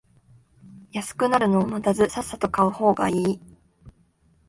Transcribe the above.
安くなるのを待たずさっさと買う方がいい